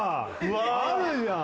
あるじゃん。